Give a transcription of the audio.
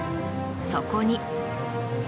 そこに。